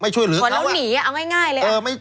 ชนแล้วหนีเอาให้ง่ายเลย